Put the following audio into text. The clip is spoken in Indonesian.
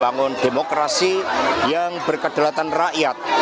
membangun demokrasi yang berkedalatan rakyat